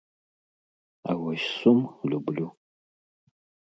А вось сум люблю.